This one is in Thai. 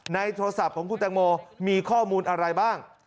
ในโทรศัพท์ของคุณแตงโมมีข้อมูลอะไรบ้าง